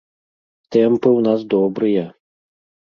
Тэмпы ў нас добрыя!